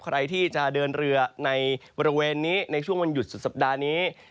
ใครที่จะเดินเรือในบริเวณนี้ในช่วงวันหยุดสุดสัปดาห์นี้